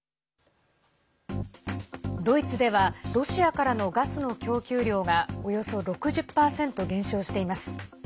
ドイツではロシアからのガスの供給量がおよそ６０％減少しています。